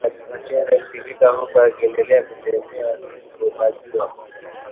Machozi yalimtiririka huku akiendelea kutembea asipopajua